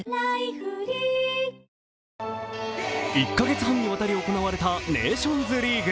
１カ月半にわたり行われたネーションズリーグ。